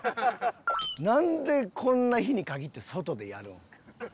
なんでこんな日に限って外でやるん？